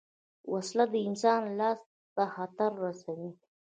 وسله د انسان لاس ته خطر رسوي